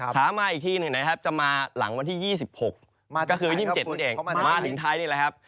ถามมาอีกทีหนึ่งนะครับจะมาหลังวันที่๒๖ก็คือวันที่๒๗นั่นเองมาถึงไทยนี่แหละครับ